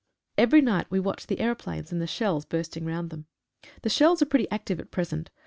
Every night we watch the aeroplanes, and the shells bursting round them. The shells are pretty active at present.